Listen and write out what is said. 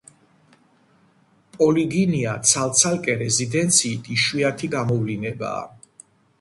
პოლიგინია ცალ–ცალკე რეზიდენციით იშვიათი გამოვლინებაა.